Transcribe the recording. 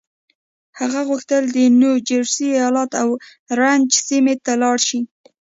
هغه غوښتل د نيو جرسي ايالت اورنج سيمې ته لاړ شي.